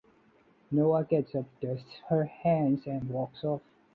Noa gets up, dusts her hands, and walks off.